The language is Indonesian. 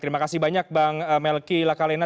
terima kasih banyak bang melki lakalena